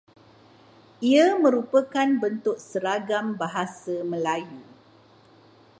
Ia merupakan bentuk seragam bahasa Melayu.